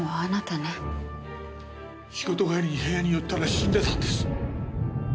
仕事帰りに部屋に寄ったら死んでたんです。